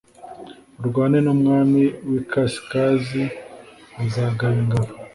arwane n umwami w ikasikazi Azagaba ingabo